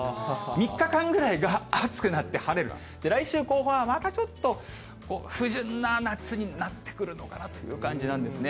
３日間ぐらいが暑くなって、晴れる、来週後半はまたちょっと、不純な夏になってくるのかなという感じなんですね。